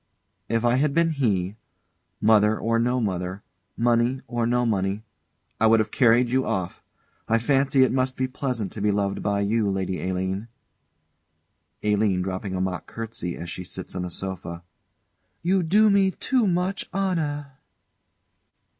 _] If I had been he, mother or no mother, money or no money, I would have carried you off. I fancy it must be pleasant to be loved by you, Lady Aline. ALINE. [Dropping a mock curtsey, as she sits on the sofa.] You do me too much honour.